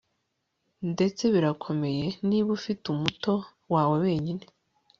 ndetse birakomeye niba ufite umuto wawe wenyine